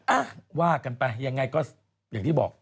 อ่ะว่ากันไปยังไงก็อย่างที่บอก